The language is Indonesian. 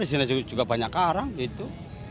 di sini juga banyak karang gitu